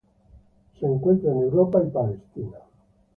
Se encuentra en Europa e Israel.